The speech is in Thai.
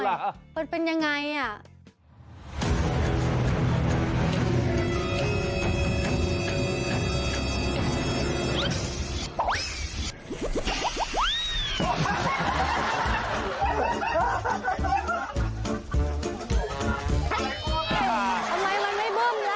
ไม่เปิ่มเลยังมายังไหมมันไม่เปิ่มหรอ